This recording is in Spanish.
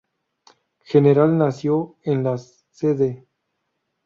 General nació en la Cd.